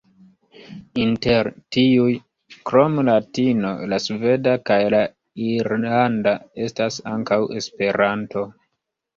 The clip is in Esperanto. Inter tiuj, krom latino, la sveda kaj la irlanda estas ankaŭ Esperanto.